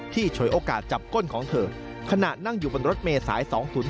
ฉวยโอกาสจับก้นของเธอขณะนั่งอยู่บนรถเมษาย๒๐๔